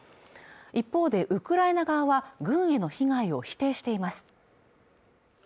一方でウクライナ側は軍への被害を否定しています